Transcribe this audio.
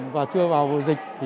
trước bữa vào dịch